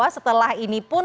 setelah ini pun